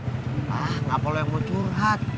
ah gak apa lo yang mau curhat